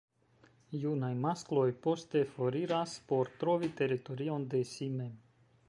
Junaj maskloj poste foriras por trovi teritorion de si mem.